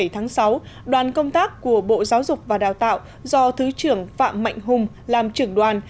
bảy tháng sáu đoàn công tác của bộ giáo dục và đào tạo do thứ trưởng phạm mạnh hùng làm trưởng đoàn